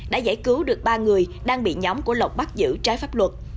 đã giải cứu được ba người đang bị nhóm của lộc bắt giữ trái pháp luật